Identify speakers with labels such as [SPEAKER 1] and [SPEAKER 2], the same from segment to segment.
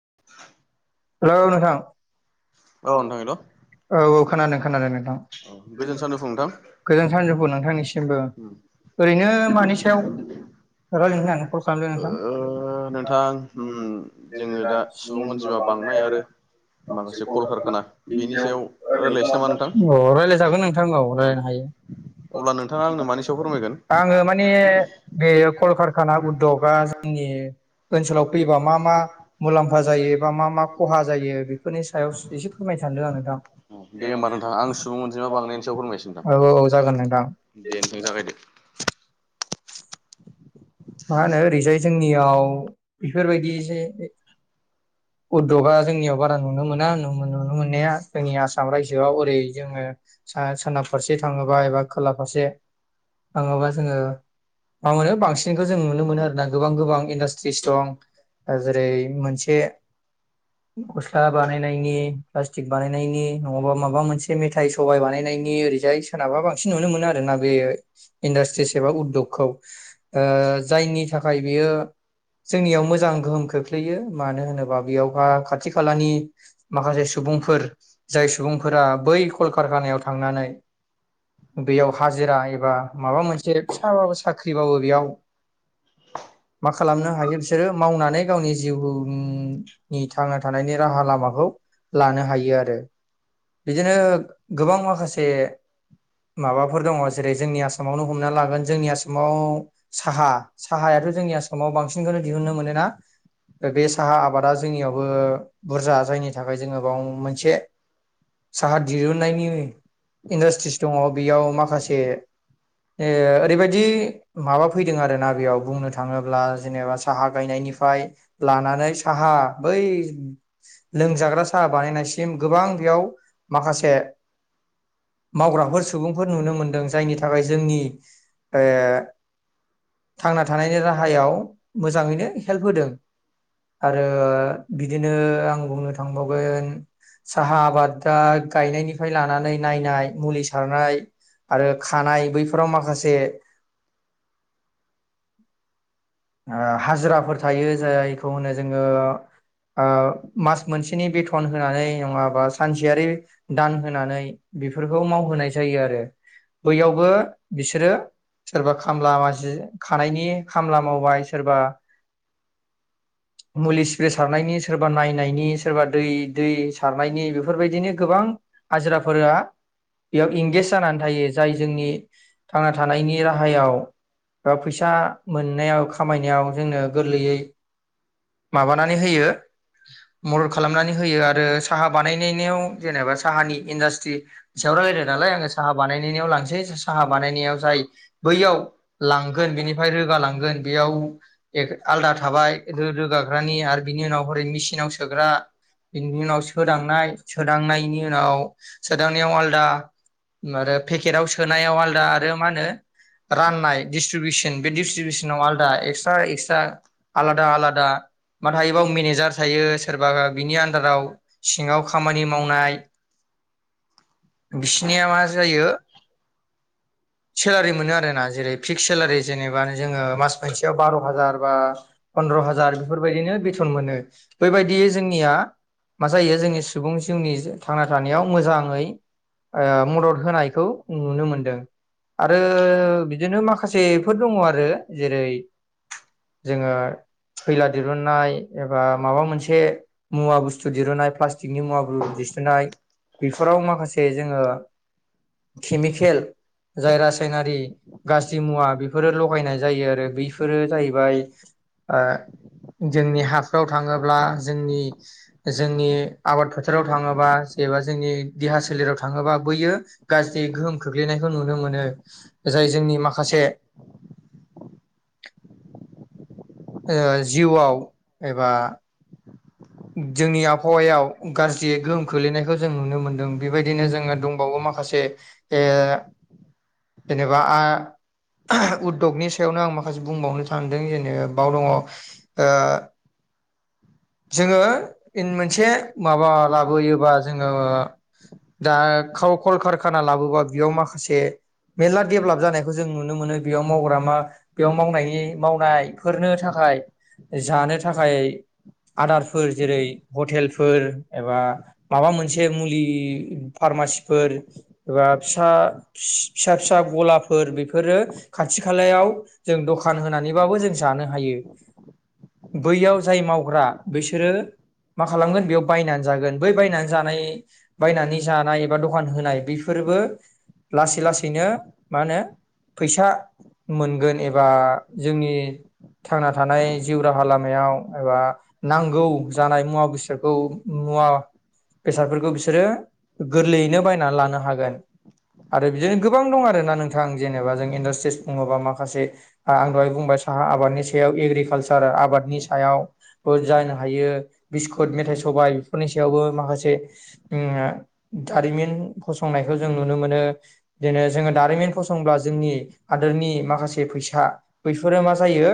[SPEAKER 1] [unintelligible]
[SPEAKER 2] हेल' नोंथां।
[SPEAKER 1] औ नोथां हेल'
[SPEAKER 2] औ औ खोनादों खोनादों नोंथां
[SPEAKER 1] औ गोजोन सानजौफु नोंथां
[SPEAKER 2] गोजोनसानजौफु नोंथांनिसिमबो ओरैनो मानि सायाव रायलायनो होननानै कल खालामदों
[SPEAKER 1] ओ
[SPEAKER 2] नोंथां
[SPEAKER 1] नोंथां उम जोङो दा सुबुं अनजिमा बांनाय आरो माखासे कलकारखाना बेनि सायाव राय्लायनोसै नामा नोंथां
[SPEAKER 2] अ रायलायजागोन नोंथां औ
[SPEAKER 1] अ
[SPEAKER 2] रायलायनो हायो
[SPEAKER 1] [inaudible]
[SPEAKER 2] आङो माने बे कलकारखाना उददगा जोंनि नि ओनसोलाव फैयोबा मा मा मुलाम्फा जायो एबा मा मा खहा जायो बेफोरनि सायाव एसे फोरमायनो सानदों आं नोंथां।
[SPEAKER 1] दे होमबा नोंथां आं सुबुं अनजिमा बांनायनि सायाव फोरमायसै नोंथां
[SPEAKER 2] औ औ जागोन नोंथां।
[SPEAKER 1] दे नोंथां जागायदो
[SPEAKER 2] मा होनो ओरैजाय जोंनियाव बेफोरबायदि जे उददगा जोंनियाव बारा नुनो मोना नुनो मोननाया जोंनि आसाम रायजोआव ओरै जोङो सा सोनाब फारसे थाङोबा एबा खोला फारसे थाङोबा जोङो मा मोनो बांसिन खौ जों नुनो मोनो आरोना गोबां गोबां इडास्ट्रिस दं जेरै मोनसे
[SPEAKER 1] [inaudible]
[SPEAKER 2] गस्ला बानायनायनि प्लास्टिक बानायनायनि नङाबा माबा मोनसे मेथाइ सबायाइ बानायनायनि ओरैजाय सोनाबा बांसिन नुनो मोनो आरोना बे इडास्ट्रिस एबा उद्दगखौ जायनि थाखाय बेयो जोंनियाव मोजां गोहोम खोख्लैयो मानो होनोबा बे बेयाव खाथि खालानि माखासे सुबुंफोर जाय सुबुंफोरा बै कलकारकोनायाव थांनानै बेयाव हाजिरा एबा माबा मोनसे फिसाबाबो साख्रिबाबो बेयाव मा खालामनो हायो बिसोरो मावनानै गावनि जिउ नि थांना थानायनि राहा लामाखौ लानो हायो आरो बिदिनो गोबां माखासे माबाफोर दङ जेरै जोंनि आसामावनो हमना लागोन जोंनि आसामाव साहा साहाया जोंनि आसामाव बांसिनखौ दिहुननो मोनोना बे साहा आबादा जोंनि बुरजा जायनि थाखाय जोङो बाव मोनसे साहा दहुनन्नायनि इन्डास्ट्रिस दङ बेयाव माखासे ओरैबायादि माबा फैदों आरोना बेयाव बुंनो थाङोब्ला जेनेबा साहा गायनायनि निफ्राय लानानै साहा बै लोंजाग्रा साहा बानायनायसिम गोबां बेयाव माखासे मावग्राफोर सुबुंफोर नुनो मोनदों जायनि थाखाय जोंनि थांना थानायनि राहायाव मोजाङैनो हेल्प होदों आरो बिदिनो आं बुंनो थांबावगोन साहा आबाद दा गायनायनिफ्राय लानानै नायनाय मुलि सारनाय आरो खानाय बैफोराव माखासे
[SPEAKER 1] [inaudible]
[SPEAKER 2] हाजिराफोर थायो जायखौ होनो जोङो मास मोनसेनि बेथन होनानै नङाबा सानसेयारि दान होनानै बेफोरखौ मावहोनाय जायो आरो बैयावबो बिसोरो सोरबा खामला जि खानायनि खामला मावो बाय सोरबा
[SPEAKER 1] [inaudible]
[SPEAKER 2] मुलि स्प्रे सारनायनि सोरबा नायनायनि सोरबा दै दै सारनायनि बेफोरबायदिनो गोबां हाजिराफोरा बेयाव इंगेज जानानै थायो जाय जोंनि थांना थानायनि राहायाव बा फैसा मोननायाव खामायनायाव जोंनो गोरलैयै माबानानै होयो मदद खालामनानै होयो आरो साहा बानायनायाव जेनेबा साहानि इन्डास्ट्रि सायाव [inaudible] नालाय आङो साहा बानायनायनियाव लानसै साहा बानायनायाव जाय बैयाव लांगोन बेनिफाय रोगा लांगोन बेयाव आलदा थाबाय रो रोगाग्रानि आरो बिनि उनाव हरै मेचिनाव सोग्रा बेनि उनाव सोदांनाय सोदांनायनि उनाव सोदांनायाव आलदा आरो पेकेटाव सोनायाव आलदा आरो मा होनो राननाय डिसट्रिबिउसन बे डिसट्रिबिउसनाव आलादा एक्सट्रा एक्सट्रा आला दा मा थायोबाव मेनेजार थायो सोरबा बिनि आन्दाराव सिङाव खामानि मावनाय
[SPEAKER 1] [inaudible]
[SPEAKER 2] बिसिनिया मा जायो सेलारि मोनो आरोना जेरै फिक्स सेलारि जेनेबा जोङो मास मोनसेयाव बार'हाजार बा फनद्र हाजार बेफोरबायदिनो बेथन मोनो बैबायदि जोंनिया मा जायो जोंनि सुबुं जिउनि थांना थानायाव मोजाङै ओ मदद होनायखौ नुनो मोनदों आरो बिदिनो माखासेफोर दङ आरो जेरै जोङो खैला दिरुन दिहुननाय बेफोराव माखासे जोङो केमिकेल जाय रासायनारि गाज्रि मुवा बेफोरो लगायनाय जायो आरो बैफोरो जाहैबाय ओ जोंनि हाफ्राव थाङोब्ला जोंनि जोंनि आबाद फोथाराव थाङोबा एबा जोंनि देहा सोलेराव थाङोबा बैयो गाज्रि गोहोम खोख्लैनाय खौनुनो मोनो जाय जोंनि माखासे ओ जिउआव एबा जोंनि आबहावायाव गाज्रियै गोहोम खोलैनायखौ जों नुनो मोनदों बेबाय दिनो जोङो दंबावो माखासे ओ जेनेबा आ उद्दगनि सायावनो आं माखासे बुंबावनो सानदों जेनेबा बाव दङ ओ जोङो इन मोनसे माबा लाबोयोबा जोङो दा खाव कलकारखाना लाबोबा बेयाव माखासे मेरला डेभेलाप जानायखौ जों नुनो मोनो बेयाव मावग्रा मा बेयाव मावनायनि मावनायफोरनो थाखाय जानो थाखाय आदारफोर जेरै हटेलफोर एबा माबा मोनसे मुलि फारमा सिफोर एबा फिसा फिसा फिसा गलाफोर बेफोरो खाथि खालायाव जों द खान होनानैबाबो जों जानो हायो बैयाव जाय मावग्रा बैसोरो मा खालामगोन बेयाव बायनानै जागोन बै बायनानै जानाय बायनानै जानाय एबा दखान होनाय बेफोरबो लासै लासैनो मा होनो फैसा मोनगोन एबा जोंनि थांना थानाय जिउ राहा लामायाव एबा नांगौ जानाय मुवा बेसादखौ मुवा बेसादफोरखौ बिसोरो गोरलैयैनो बायनानै लानो हागोन आरो बिदिनो गोबां दं आरोना नोंथां जेनेबा जों इन्डासट्रिस बुङोबा माखासे आं दहाय बुंबाय साहा आबादनि सायाव एग्रिकालचार आबादनि सायाव बो जानो हायो बिस्कुट मेथाइ सबाइ बेफोरनि सायावबो माखासे उम ओ जारिमिन फसंनायखौ जों नुनो मोनो बिदिनो जोङो दारिमिन फसंब्ला जोंनि हादोरनि माखासे बे फैसा बैफोरो मा जायो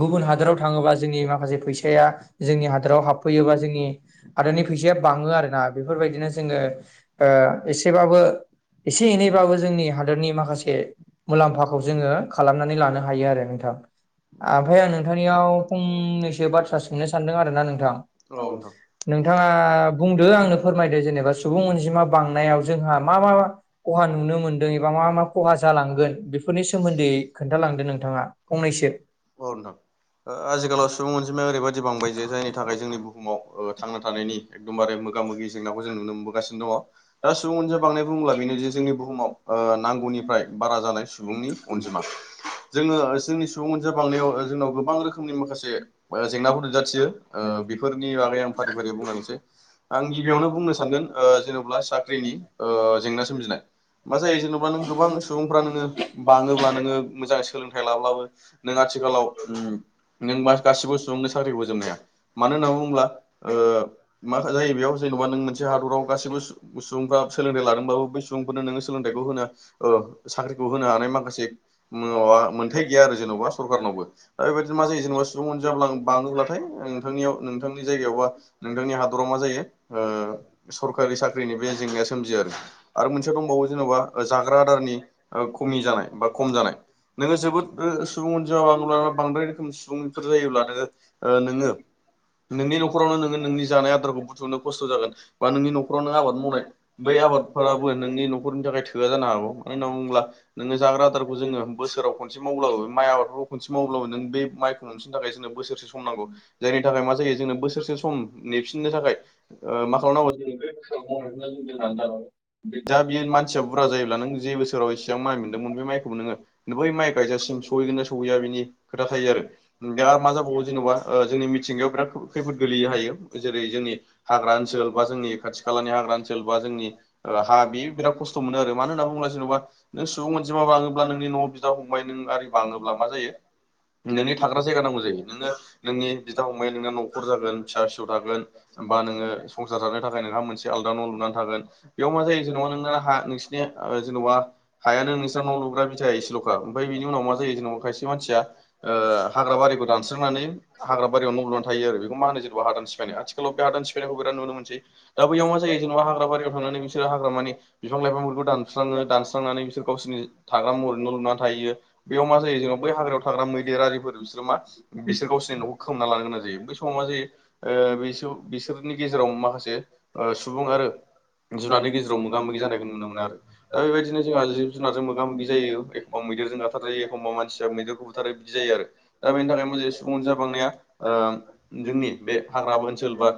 [SPEAKER 2] गुबुन हादोराव थाङोबा जोंनि मा माखासे फैसाया जोंनि हादराव हाबफैयो बा जोंनि हादोरनि फैसाया बाङो आरो ना बेफोरबायदिनो जोङो ओ एसेबाबो एसे एनैबाबो जोंनि हादोरनि माखासे मुलाम्फा खौ जोङो खालामनानै लानो हायो आरो नोंथां ओमफ्राय आं नोंथांनियाव फंनैस सो बाथ्रा सोंनो सानदों आरोना नोंथां
[SPEAKER 1] औ
[SPEAKER 2] ओ
[SPEAKER 1] नोंथां
[SPEAKER 2] सों नोंथाङा बुंदो आंनो फोरमायदो जेनेबा सुबुं अनजिमा बांनायाव जोंहा मा मा खहा नु नुनो मोनदों एबा मा मा खहा जालांगोन बेफोरनि सोमोन्दै खोन्थालांदों नोंथाङा फंनैसो
[SPEAKER 1] औ नोंथां आजिखालाव सुबुं अनजि माया ओरैबायदि बांबाय जे जायनि थाखाय जोंनि बुहुमाव ओ थांना थानायनि एकदमबारे मोगा मोगि जेंनाखौ जों नुनो मोन मोनबो गासिनो दङ दा सुबुं बांनाय बुोब्ला बेनो जे जोंनि बुहुमाव ओ नांगौनिफ्राय बारा जानाय सुबुं सुबुंनि अनजिमा जोङो जोंनि सुबुं अनजिमा बांनायाव जोंनाव गोबां रोखोमनि माखासे ओ जेंनाफोर नुजाथियो ओ बेफोरनि बागै आं फारि फारि बुंलानिसै आं गिबियावनो बुंनो सानगोन ओ जेनेब्ला साख्रिनि ओ जेंना सोमजिनाय मा जायो जेनेबा नों गोबां सुबुंफ्रा नोङो बाङोब्ला नोङो मोजाङै सोलोंथाइ लाब्लाबो नोंआ आथिखालाव नों मा गासिबो सुबुंनि साख्रिखौ होजोबनाया मानो होनना बुङोब्ला ओ माखा-जायो बेयाव जेन'बा नों मोनसे हादराव गासिबो सु-सुबुंफ्रा सोलोंथाइ लादोंबाबो बै सुबुंफोरनो नोङो सोलोंथाइखौ होनो ओ साख्रिखौ होनो हानाय माखासे मो-माबा मोनथाय गैया आरो जेन'बा सखारारनावबो, दा बेबादिनो मा जायो जेन'बा स सुबुं अनजामा ब्ला-बाङोब्लाथाय नोंथांनियाव नोंथांनि जायगायाव बा नोंथांनि हादराव मा जायो ओ सरकारि साख्रिनि बे जेंनाया सोमजियो आरो, आरो मोनसे दंबावो जेन'बा ओ जाग्रा आदारनि ओ खमि जानाय बा खम जानाय नोङो जोबोद ओ सुबुं अनजि ब बांद्राय रोखोम स सुबुंफोर जायोब्ला नोङो ओ नोङो नोंनि न'खरावनो नोङो नोंनि जानाय आदारखौ बुथुमनो खस्थ' जागोन बा नोंनि न'खराव नों आबाद मावनाय बै आबादफोराबो नोंनि न'रनि थाखाय थोआ जानो हागौ मानो होनना बुङोब्ला नोङो जाग्रा आदार जोङो बोसोराव खनसे मावब्लाबो माइ आबादफोरखौ खनसे मावब्लाबो नों बे माइ हमफिननो थाखाय जोंनो बोसोरसे सम नांगौ जायनि थाखाय मा जायो जोंनो बोसोरसे सम नेफिननो थाखाय ओ मा खालामनांगौ
[SPEAKER 2] [unintelligible]
[SPEAKER 1] जा बियो मानसिया बुरजा जायोब्ला नों जे बोसोराव एसेबां माइ मोनदोंमोन बे माइखौबो नोङो बै माइ गायजासिम सहैगोन ना सहैया बिनि खोथा थायो आरो दा मा जाबावगौ जेन'बा ओ जोंनि मिथिंगायाव बिराद खैफोद गोलैयो हायो जेरै जोंनि हाग्रा ओनस ओनसोल बा जोंनि खाथि खालानि हाग्रा ओनसोल बा जोंनि ओ हा बेयो बिराद खस्थ' मोनो आरो मानो होनना बुोब्ला जेन'बा नों सुबुंजिमाबा लाङोब्ला नोंनि न'आव बिदा फंबाय नों [unintelligible] रि बाङोब्ला मा जायो नोंनि थाग्रा जायगा नांगौ जायो नोङो नोंनि बिदा फंबाया नोंनो न'खर जागोन फिसा फिसौ थागोन बा नोङो संसार जानो थाखाय नोंहा मोनसे आलदा न' लुनानै थागोन बेयाव मा जायो जेनेबा नोंना हा नोंसिनि ओ जेनबा हायानो नोंस्रा न' लुग्रा बिथाया एसेल'खा ओमफ्राय बि बिनि उनाव मा जायो जेनेबा खायसे मानसिया ओ हाग्रा बारिखौ दानस्रांनानै हाग्रा बारियावनो न' लुनानै थायो आरो बेखौ मा होनो जेन'बा हादान सिफायनाय, आथिखालाव बे हादान सिफायनायखौ बेराद नुनो मोनसै, दा बैयाव मा जायो जेनबा हाग्राारियाव थनानै [unintelligible] [unintelligible] रो हाग्रामानि बिफां लाइफांफोरखौ दानस्राङो दानस्रांनानै बिसोर गावसोरनि थाग्रा महरै न' लुना थायो बेयाव मा जायो जोंनाव बै हाग्रायाव थाग्रा मैदेर आरिफोर [unintelligible] मा बिसोर गावसोरनि न'खौ खोमान लानो गोनां जायो बै समाव मा जायो ओ बिसोरनि गेजेराव माखासे ओ सुबुं आरो जुनारनि गेजेराव मोगा-मोगि जानायखौ नुनो मोन आरो दा बेबायदिनो जोंहा जिब जुनारजों मोगा-गाोगि जायो एखमबा मैेरजों गाथारजायो एखम्बा मानसिया मैेरखौ बुथारजायो बिदि जायो आरो दा बेनि थाखाय मोजांयै सुंबुं अनजिमा बांनाया ओ जोंनि बे हाग्रा ओनसोल बा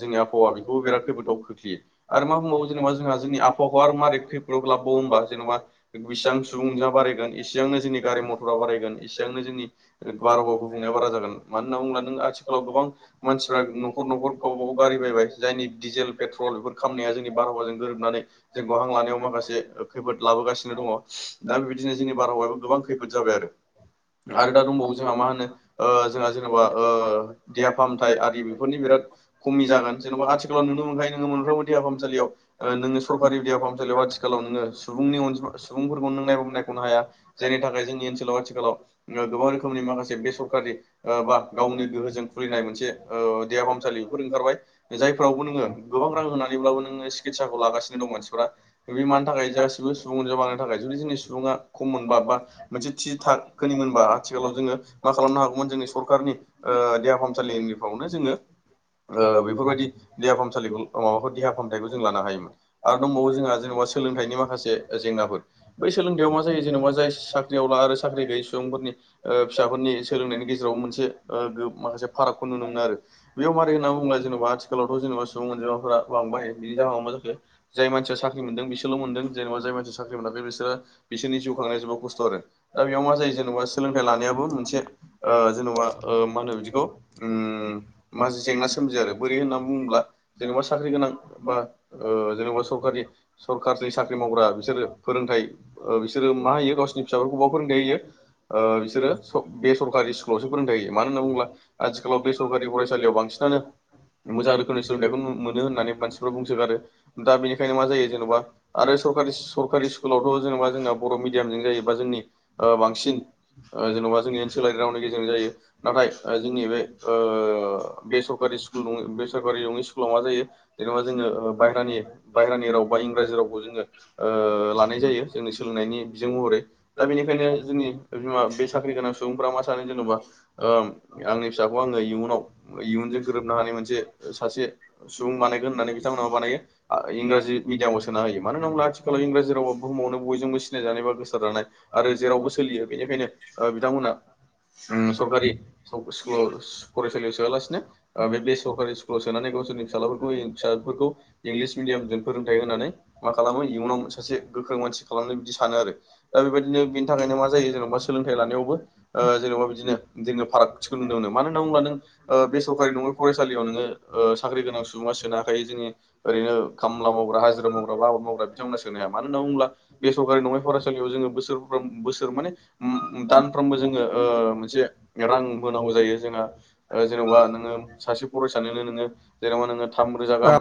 [SPEAKER 1] जोंनि आबहावा बेखौबो बिराद खैफदाव खोख्लैयो आरो मा बुंबावो जेनेबा जोंहा जोंनि आबहावाखौ आरो मारै खैफोदाव लाबावयो होनोब्ला‌ जेनेबा बिसिबां सुबुं अनजिमा बारायो इसिबांनो जोंनि गारि मथरा बारायगोन इसिबांनो जोंनि गुयार अब गुबुंनाया बारा जागोन मानो होनना बुंयोब्ला नों आथिखालाव गोबां मानसिफ्रा नखर-नखर गावब गाव गारि फैबाय जायनि डिजेल पेट्रल बेफोरखो खामनाया जोंनि बारहावाजों गोरोबनानै जोंखौ हां लानायाव माखासे खैफोद लाबोगासिनो दंङ दा बेबायदि दिनै जोंनि बारहावायाबो गोबां खैफोद जाबाय आरो दा दंबावो जोहा मा होनो ओ जोहा जेनेबा ओ देहा फाहामथाइआरि बेफोरनि बेराद खमि जागोन जेनबा आथिखालाव नुनो मोनखाङो [unintelligible] देहा फाहामसालियाव ओ नोंङो सरखारि देहाफाहामसालियाव आथिखालाव नोंङो सुबुंनि अनजिमा सुबुंफोरखौ नों नायबाबो नायखनो नो हाया जायनि थाखाय जोंनि ओनसोलाव आथिखालाव गोबां रोख रोखोमनि माखासे बे सरकारि ओ बा गावनि गोहोजों खुलिनाय मोनसे ओ देहा फाहामसालि बेफोर ओंखारबाय जायफोरावबो नोंङो गोबां रां होनानै ब्लाबो नोंङो सिखितसाखौ लागासिनो दं मानसिफोरा बे मानि थाखाय गासिबो सुबुं अनजिमा मानि थाखाय जुदि जोंनि सुबुंङा खम मोनबा बा मोनसे थि थाखोनि मोनबा आथि आथिखालाव जोंङो मा खालामनो हागौमोन जोंनि सरखारनि ओ देहा फाहामसालिनिफ्रावनो जोंङो ओ बेफोरबायदि देहा फाहामसालिखौ अ माबाखौ देहा फामथायखौ जों लानो हायोमोन आरो दंबावो जोंहा जेनेबा सोलोंथाइनि माखासे जेंनाफोर बै सोलोंथाइयाव मा जायो जेनेबा जाय साख्रियावला आरो साख्रि गैयै सुबुंफोरनि ओ फिसाफोरनि सोलोंनायनि गेजेराव मोनसे ओ गोब माखासे फारागखौ नुनो मोनो आरो बेयाव मारै होनना बुंङोब्ला जेनबा आथिखालावथ' जेनबा सुबुं अनजिमाफोरा बांबाय बिनि जाहोनाव मा जाखो जाय मानसिया साख्रि मोनदों बिसोरल' मोनदों जेनेबा जाय मानसिया साख्रि मोनाखै बिसोरो बिसोरनि जिउ खांनाया जोबोद खस्थ' आरो दा बेयाव मा जायो जेनेबा सोलोंथाइ लानायाबो मोनसे ओ जेनबा ओ माहोनो बिदिखौ उ मासे जेंना सोमजियो आरो बोरै होननानै बुंङोब्ला जेनेबा साख्रि गोनां बा ओ जेनेबा सरकारि सरकानि साख्रि मावग्रा बिसोरो फोरोंथाइ ओ बिसोरो मा होयो गावसिनि फिसाफोरखौ बहा फोरोंथायाइ होयो ओ बिसोरो बे सरकारि स्कुलावसो फोरोंथाय होयो मानो होनना बुंङोब्ला आथिखालाव बे सरकारि फरायसालियाव बांसिनानो मोजां रोखोमनि सोलोंथाइखौ मोनो होननानै मानसिफ्रा बुंसोगारो दा बेनिखायनो मा जायो जेनबा आरो सरखारि सरकारि सिकुलावथ' जेनेबा जोंना बर' मिडियामजों जायो बा जोंनि ओ‌ बांसिन ओ जेनबा जोंनि ओनसोलारि रावनि गेजेरजों जायो नाथाय जोंनि बे ओ बेसरकारि बे सिखुल दंङो बे सोरकारिआवनो सिखु लाव मा जायो जेनबा जोंङो ओ बाहेरानि बाहेरानि राव बा इंराजि रावखौ जोंङो ओ‌ लानाय‌ जायो। जोंनि सोलोंनायनि बिजों महरै दा बेनिखायनो जोंनि बिमा बे साख्रि गोनां सुबुंफोरा मा सानो जेनबा ओ‌ आंनि फिसाखौ आंङो इउनाव इउन जों गोरोबनो हानाय मोनसे सासे सुबुं बानायगोन होननानै बिथांमोनाबो बानायो आ इंराजि मिडियामाव सोना होयो मानो होनोब्ला आथिखालाव इंराजि रावा बुहुमावनो बयजोंबो सिनायजानाय बा गोसार जानाय आरो जेरावबो सोलियो बेनिखायनो ओ बिथांमोनहा उ सरकारि स्कुिलाव फरायसालियाव सोआलासिनो ओ बे सरकारि स्कुलाव सोनानै गावसोरनि फिसालाफोरखौ फिसाफोरखौ इंलिस मिडियामजों फोरोंथाइ होननानै मा खालामो इयुनाव सासे गोख्रों मान सि खालामनो बेदि सानो आरो दा बेबायदिनो बेनि थाखायनो मा‌ जायो जों सोलोंथाय लानायावबो ओ जेनबा बिदिनो जोंङो फारागथिखौ नुनो मोनो। मानो होनानै बुंङोब्ला नों ओ बेसर नङै फरायसालियाव नोंङो ओ साख्रि गोनां सुबुंङा सोनोहाखायो जोंनि ओरैनो खामला मावग्रा हाजिरा मावग्रा आबाद मावग्रा बिथांमोना सोनो हाया मानो होनबा बुंब्ला बे सरकारि नंङै फरायसालियाव जोंङो बोसोरफ्राम बोसोर माने उम दानफ्रोमबो जोंङो ओ मोनसे रां होनांगौ जायो जोंहा ओ जेनबा नोंङो सासे फरायसानोनो नोङो जेनेबा नोङो थाम रोजा गाम